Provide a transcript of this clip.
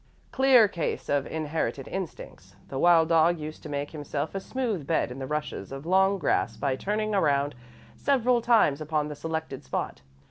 "Clear case of inherited instincts. The wild dog used to make himself a smooth bed in the rushes of long grass by turning around several times upon the selected spot.